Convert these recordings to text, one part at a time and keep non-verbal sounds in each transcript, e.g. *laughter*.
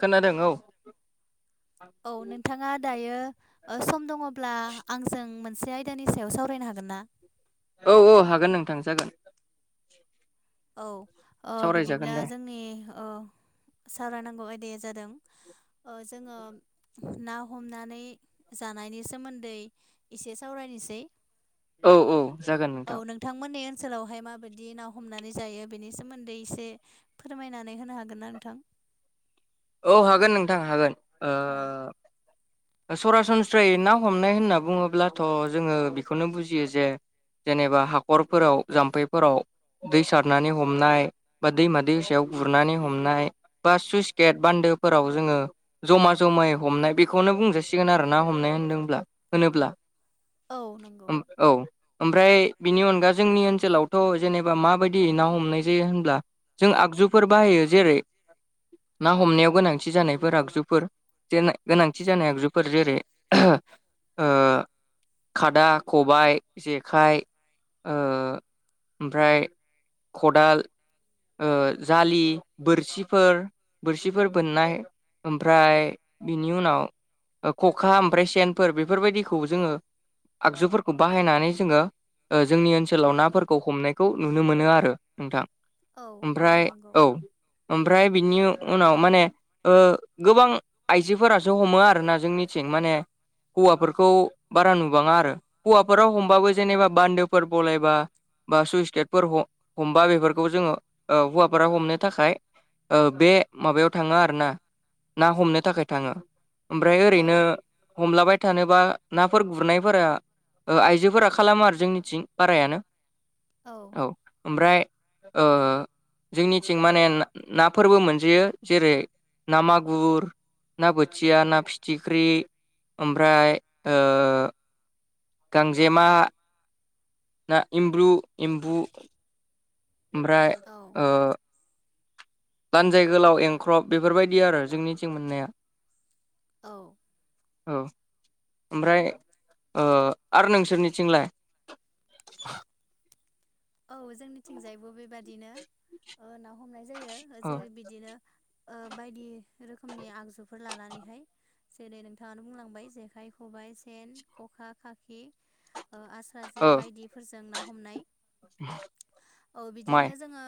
खोनादों औ औ नोंथाङा दायो सम दङब्ला आंजों मोनसे आय दानि सायाव सावरायनो हागोन ना औ-औ हागोन नोंथां जागोन औ ओ सावरायजागोन बिदिब्ला दे जोंनि सावरायनांगौ आयदाया जादों जोङो ना हमनानै जानायनि सोमोन्दै एसे सावरायनोसै औ औ जागोन नोंथां नोंथांमोननि ओनसोलावहाय माबायदि ना हमनानै जायो बेनि सोमोन्दै एसे फोरमायनानै होनो हागोन ना नोंथां औ हागोन नोंथां हागोन ओ औ सरासनस्रायै ना हमनाय होनना बुङोब्लाथ' जोङो बेखौनो बुजियो जे जेनेबा हाखरफोराव जाम्फैफोराव दै सारनानै हमनाय बा दैमा दै सायाव गुरनानै हमनाय बा सुइस गेट बान्दोफोराव जोङो जमा जमायै हमनाय बेखौनो बुं जासिगोन आरो ना हमनाय होनदोंब्ला होनोब्ला। औ नंगौ। ओम औ। ओमफ्राय बिनि अनगा जोंनि ओनसोलावथ' जेनेबा माबायदियै ना हमनाय जायो होनब्ला। जों आगजुफोर बाहायो जेरै ना हमनायाव गोनांथि जानायफोर आगजुफोर गोनांथि जानाय आगजु फोर जेरै खादा, खबाइ, जेखाइ, ओमफ्राय खदाल ओ जालि बोरसिफोर बोरसिफोर बोननाय ओमफ्राय बिनि उनाव। खखा ओमफ्राय सेनफोर बेफोरबायदिखौ जोङो आगजुफोरखौ बाहायनानै जोङो। ओ जोंनि ओनसोलाव नाफोरखौ हमनायखौ नुनो मोनो आरो नोंथां। औ औ ओमफ्राय नंगौ औ। ओमफ्राय बिनि उनाव माने गोबां आइजोफोरासो हमो आरोना। जोंनिथिं माने हौवाफोरखौ बारा नुबाङा आरो। हौवाफोराबो औ हमबाबो जेनेबा बान्दोफोर बलायबा बा सुइस गेटफोर ह हमबा बेफोरखौ जोङो हौवाफोरा हमनो थाखाय। ओ बे माबायाव थाङो आरोना ना हमनो थाखाय थाङो। ओमफ्राय ओरैनो हमलाबाय थानोबा नाफोर गुरनायफोरा। ओ आइजोफोरा खालामो आरो जोंनिथिं बारायानो औ। ओमफ्राय ओ ओ। जोंनिथिं माने नाफोरबो मोनजोयो जेरै ना मागुर ना बोथिया ना फिथिख्रि ओमफ्राय ओ गांजेमा ना एमब्लु, एम्बु ओमफ्राय ओ लानजाय गोलाव एंख्रब बेफोरबायदि आरो जोंनिथिं मोननाया। औ। औ। ओमफ्राय ओ आरो नोंसोरनि थिंलाय? औ जोंनिथिंजायबो बेबादिनो ना हमनाय जायो औ जेरै बिदिनो। बायदि रोखोमनि आगजुफोर लानानैहाय जेरै नोंथाङानो बुंलांबाय जेखाइ, खबाइ, सेन, खखा, खाखि आस थुख्रा जे औ बादिफोरजों ना हमनाय *inaudible* औ माइ बिदियैनो जोङो।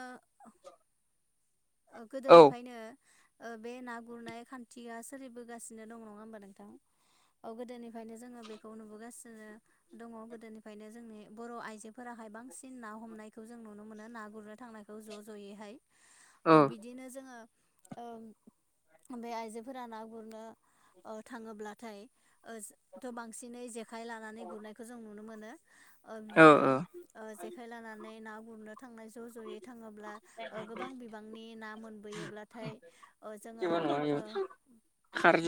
औ गोदोनिफ्रायनो बे ना गुरनाय खान्थिया सोलिबोगासिनो दं नङा होमबा नोंथां। औ गोदोनिफ्रायनो जोङो बेखौ नुबोगासिनो। दङ' गोदोनिफ्रायनो जोंनि बर' आइजोफोराहाय बांसिन न ना हमनायखौ जों नुनो मोनो ना गुरनो थांनायखौ ज' ज'यैहाय औ बिदिनो जोङो बे आइजोफोरा ना गुरनो ओ थाङोब्लाथाय थ' बांसिनै जेखाइ लानानै गुरनायखौ जों नुनो मोनो। औ औ बिदिनो जेखाय लानानै ना गुरनो थांनाय ज' ज'यै ओ थाङोब्ला गोबां बिबांनि ना मोनबोयोब्लाथाय जोङो जेबो नङा बेयो ओ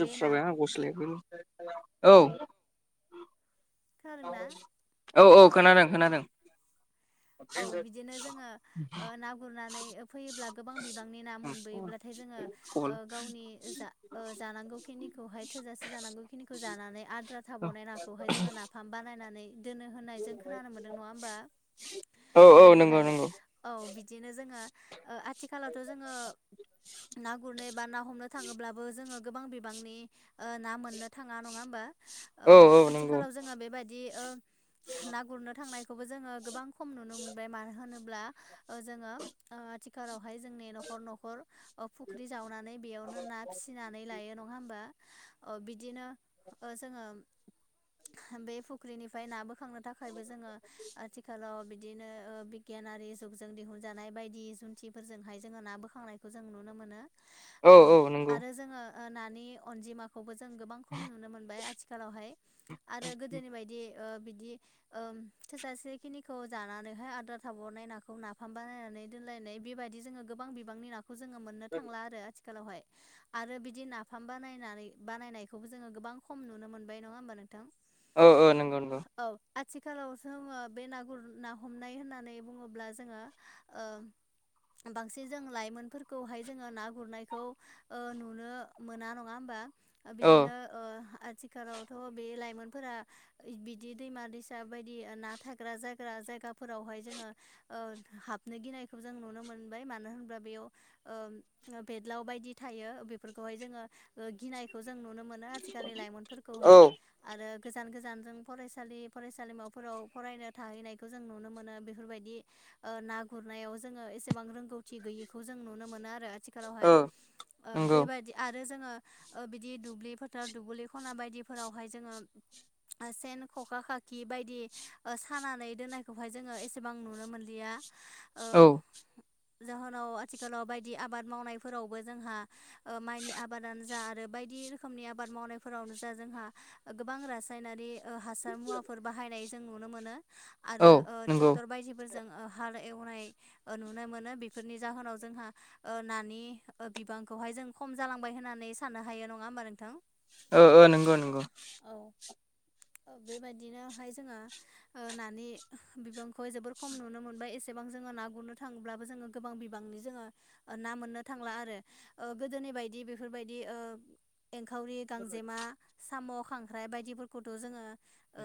बे ना आंखौ *unintelligible* औ। खोनादों ना? औ-औ खोनादों खोनादों औ बिदिनो जोङो ना गुरनानै फैयोब्ला गोबां बिबांनि ना मोनबोयोब्लाथाय जोङो गावनि जा ओ जानांगौ खिनिखौहाय थोजासे जानांगौ खिनिखौ जानानै आद्रा थाबावनाय नाखौहाय जोङो नाफाम बानायनानै दोनो होननाय जों खोनानो मोन्दों नङा होमबा औ औ नंगौ गोदोहाय नंगौ औ बिदिनो जोङो आथिखालावथ' जोङो ना गुरनो एबा ना हमनो थाङोब्लाबो जोङो गोबां बिबांनि ना मोननो थाङा नङा होमबा औ आथिखालाव जोङो बेबायदि ना गुरनो थांनायखौबो जोङो गोबां खम नुनो मोनबाय मानो होनोब्ला जोङो आथिखालावहाय जोंनि न'खर न'खर फुख्रि जावनानै बेयावनो ना फिसिनानै लायो नङा होमबा बिदिनो जोङो बे फुख्रिनिफ्राय ना बो बोखांनो थाखायबो जोङो आथिखालाव बिदिनो बिगियानारि जुगजों दिहुनजानाय बायदि जुन्थिफोरजोंहाय जोङो ना बोखांनायखौ जों नुनो मोनो औ औ नंगौ आरो जोङो नानि अनजिमा खौबो जों गोबां खम नुनो मोनबाय आथिखालावहाय आरो गोदोनि बायदि ओ बिदि ओ थोजासे खिनि खौ जानानैहाय आदार थाबरनाय नाखौ नाफाम बानायनानै दोनलायनाय बेबायदि जोङो गोबां बिबांनि नाखौ खौ जोङो मोननो थांला आरो आथिखालावहाय आरो बिदि नाफाम बानायनानै बानायनायखौबो जोङो गोबां खम नुनो मोनबाय नङा होमबा नोंथां औ औ नंगौ नंगौ औ आथिखालाव जोङो बे ना गुर ना हमनाय होननानै बुङोब्ला जोङो ओ बांसिन जों लाइमोनफोरखौहाय जोङो ना गुरनायखौ ओ नुनो मोना नङा होमबा औ बिदिनो आथिखालावथ' बे लाइमोनफोरा बिदि दैमा दैसा बायदि ना थाग्रा जा गा जायगाफोरावहाय जोङो हाबनो गिनायखौ जों नुनो मोनबाय मानो होनोबा बेयाव बेदलाव बायदि थायो बेफोरखौहाय जोङो गिनायखौ जों नुनो मोनो आजिखालि औ लाइमोनफोरखौहाय आरो गोजान गोजानजों फरायसालि फरायसालिमाफोराव फरायनो थाहैनायखौ जों नुनो मोनो बेफोरबायदि ओ ना गुरनायाव जोङो एसेबां रोंगौथि गैयिखौ जों नुनो मोनो आरो आथिखालावहाय ओ नंगौ बेबायदि आरो जोङो ओ बिदि दुब्लि फोथार दुब्लि ख'ना बायदिफोरावहाय जोङो ओ सेन ख'खा खाखि बायदि ओ खानानै दोन्नायखौहाय जोङो एसेबां नुनो मोनलिया ओ औ नंगौ जाहोनाव आथिखालाव बायदि आबाद मावनायफोरावबो जोंहा ओ माइनि आबादानो जा आरो बायदि रोखोमनि आबाद मावनायफोरावनो जा जोंहा गोबां रासायनारि ओ हासार मुवाफोर जों बाहायनाय जों नुनो मोनो आरो ओ नंगौ ट्रेक्टर बायदिफोरजों ओ हाल एवनाय ओ नुनो मोनो बेफोरनि जाहोनाव जोंहा ओ नानि बिबांखौहाय जों खम जालांबाय होननानै साननो हायो नङा होमबा नोंथां? ओ-ओ नंगौ नंगौ औ औ बेबायदिनो हाय जोङो ओ नानि बिबांखौ जोबोर खम नुनो मोनबाय एसेबां जोङो ना गुरनो थाङोब्लाबो जोङो गोबां बिबांनि जोङो ना मोननो थांला आरो ओ गोदोनि बायदि बेफोरबायदि ओ एंखावरि गांजेमा साम' खांख्राइ बायदिफोरखौथ' जोङो ओ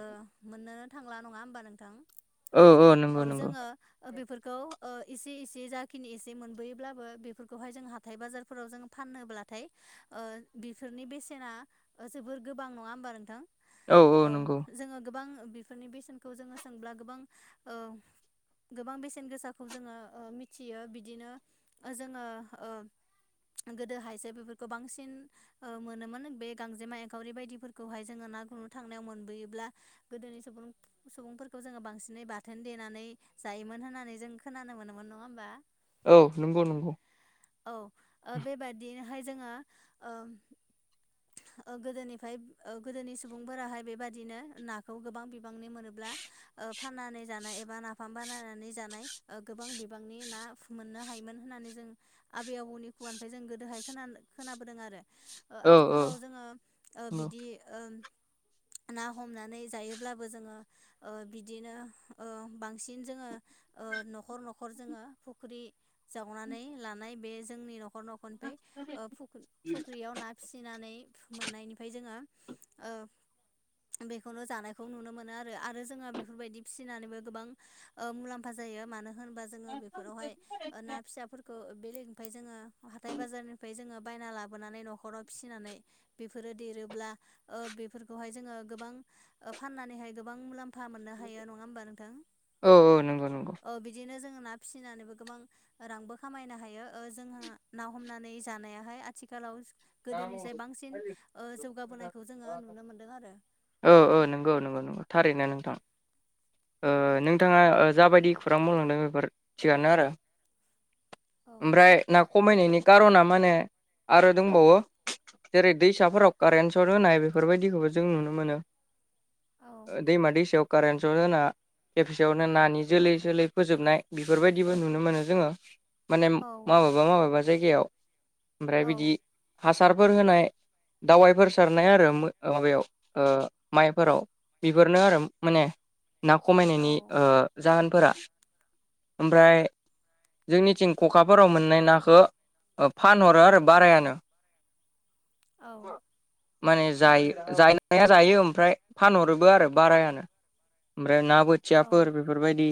मोननोनो थांला नङा होमबा नोंथां औ जोङो ओ बेफोरखौ ओ इसे इसे जाखिनि इसे मोनबोयोब्लाबो बेफोरखौहाय जोंहा हाथाय बाजारफोराव जोङो फाननो ब्लाथाय ओ बिफोरनि बेसेना ओ जोबोर गोबां नङा होमबा नोंथां औ ओ जोङो गोबां बेफोरनि बेसेन खौ जोङो सोंब्ला गोबां ओ गोबां बेसेन गोसाखौ जोङो ओ मिथियो बिदिनो जोङो ओ गोदोहायसो बेफोरखौ बांसिन ओ मोनोमोन बे गांजेमा एखावरि बायदिफोरखौहाय जोङो ना गुरनो थांनायाव मोनबोयोब्ला। गोदोनि सुबुं सुबुंफोरखौ जोङो बांसिनै बाथोन देनानै जायोमोन होननानै जों खोनानो मोनोमोन नङा होमबा? औ नंगौ नंगौ। औ ओ बेबादिनोहाय जोङो ओ ओ गोदोनिफाय ओ गोदोनि सुबुंफोराहाय बेबादिनो नाखौ गोबां बिबांनि। ब्ला ओ फाननानै जानाय एबा नाफाम बानायनानै जानाय ओ गोबां बिबांनि ना मोननो हायोमोन होननानै जोंङो आबै आबौनि खुगानिफ्राय जों गोदोहाय खोना खोनाबोदों आरो। ओ औ औ आथिखालाव जोङो ओ नंगौ बिदि ओम ओ ना हमनानै जायोब्लाबो जोङो ओ बिदिनो ओ बांसिन जोङो ओ न'खर न'खर जोङो फुख्रि ओ जावनानै लानाय बे जोंनि न'खर नखरनिफ्राय ओ फुख्रि फुख्रियाव ना फिसिनानै मोननायनिफ्राय जोङो ओ बेखौनो जानायखौ नुनो मोनो आरो आरो जोङो बेफोरबायदि फिसिनानैबो गोबां ओ मुलाम्फा जायो मानो होननो होनबा जोङो बेफोरावहाय ना फिसाफोरखौ बेलेग ओमफाय जोङो हाथाय बाजारनिफ्राय जोङो बायना लाबोनानै न'खराव फिसिनानै बेफोरो देरोब्ला ओ बेफोरखौहाय जोङो गोबां फाननानैहाय गोबां मुलाम फा मोननो हायो नङा होमबा नोंथां औ औ नंगौ नंगौ ओ औ बिदिनो जोङो ना फिसिनानैबो गोबां ओ रांबो खामायनो हायो ओ जोंहा ना हमनानै जानायाहाय आथिखालाव औ गोदोनिसाय बांसिन ओ जौगाबोनायखौ जोङो नुनो मोनदों आरो। औ औ नंगौ नंगौ नंगौ थारैनो नोंथां। नोंथाङा जाबायदि खौरां मावलांदों बेफोर थिगानो आरो। औ ओमफ्राय ना खमायनायनि खार'ना माने आरो दंबावो। जेरै दैसाफोराव कारेन्ट सट होनाय बेफोरबायदिखौबो जों नुनो मोनो। औ ओ दैमा दैसायाव कारेन्ट सट होना बेफिसेयावनो नानि जोलै जोलै फोजोबनाय बेफोरबायदिबो नुनो मोनो जोङो माने औ माबेबा माबेबा जायगायाव ओमफ्राय बिदि औ हासारफोर होनाय। दावाइफोर सारनाय आरो ओ माबायाव ओ माइफोराव बेफोरनो आरो माने ना औ खमायनायनि ओ जाहोनफोरा। ओमफ्राय जोंनिथिं खखाफोराव मोननाय नाखौ फानहरो आरो बारायानो‌। औ। माने जायो जा जायो ओमफ्राय फानहरोबो आरो बारायानो। ओमफ्राय ना औ बोथियाफोर बेफोरबायदि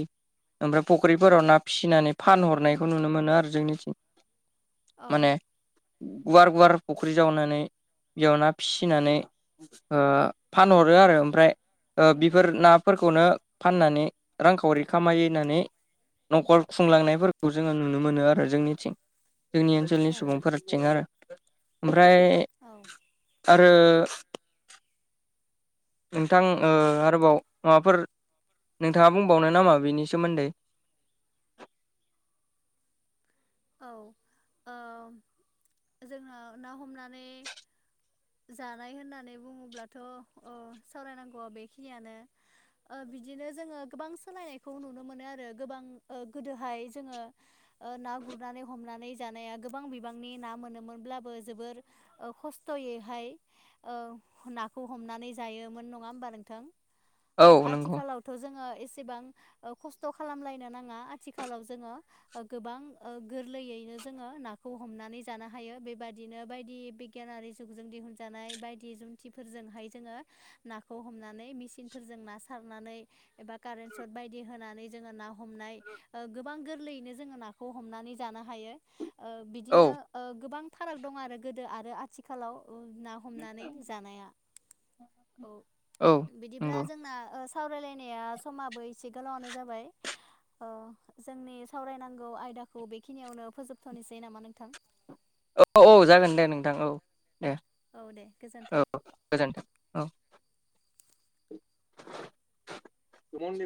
ओमफ्राय फुख्रिफोराव ना फिसिनानै फानहरनायखौ नुनो मोनो आरो जोंनिखै औ माने गुवार गुवार फुख्रि जावनानै। बेयाव ना फिसिनानै ओ फानहरो आरो ओमफ्राय। ओ बिफोर नाफोरखौनो फाननानै रांखावरि खामायोनानै। नखर खुंलांनायफोरखौ जोङो नुनो मोनो आरो जोंनिखै जोंनि ओनसोलनि औ सुबुंफोरा थिं आरो ओमफ्राय। औ। आरो। नोंथां ओ आरोबाव माबाफोर नोंथाङा बुंबावनो नामा बेनि सोमोन्दै। औ ओ जोङो ना हमनानै जानाय होननानै बुङोब्लाथ' अ सावरायनांगौआ बेखिनियानो बिदिनो जोङो गोबां सोलायनायखौ नुनो मोनो आरो गोबां ओ गोदोहाय जोङो ओ ना गुरनानै हमनानै जानाया गोबां बिबांनि ना मोनोमोनब्लाबो जोबोर ओ खस्थ'यै हाय ओ नाखौ हमनानै जायोमोन नङा होमबा नोंथां। औ आथिखालावथ' जोङो एसेबां खसथ' खालामलायनो नाङा आथिखालाव जोङो ओ गोबां ओ गोरलैयैनो जोङो नाखौ हमनानै जानो हायो बेबदिनो बायदि बिगियानारि जुगजों दिहुनजानाय बायदि जुनथिफोरजोंहाय जोङो नाखौ हमनानै मिसिन फोरजों ना सारनानै एबा कारेन्ट सट बायदि होनानै जोङो ना हमनाय ओ गोबां गोरलैयैनो जोङो नाखौ हमनानै जानो हायो। ओ औ बिदिनो ओ गोबां फाराग दं आरो गोदो आरो आथिखालाव ओ ना हमनानै जानाया। औ औ बिदिब्ला नंगौ जोंना ओ सावरायलायनाया समाबो एसे गोलावनो जाबाय ओ जोंनि सावरायनांगौ आयदाखौ बेखिनियावनो फोजोबथ'नोसै नामा नोंथां औ औ जागोन दे नोंथां औ दे। औ दे गोजोनथों। गोजोनथों। *unintelligible*